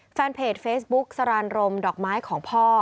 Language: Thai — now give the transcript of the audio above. แฟนเพจเฟซบุ๊กสรานรมดอกไม้ของพ่อ